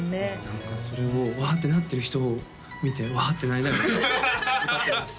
何かそれをうわってなってる人を見てうわってなりながら歌ってます